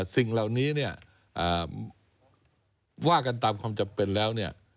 สิ่งเหล่านี้เนี่ยว่ากันตามความจำเป็นแล้วเนี่ย